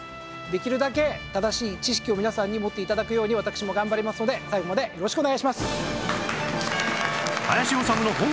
できるだけ正しい知識を皆さんに持って頂くように私も頑張りますので最後までよろしくお願いします。